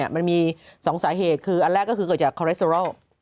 มันมี๒สาเหตุคืออันแรกก็คือเกิดจากคอเลสเตอรอล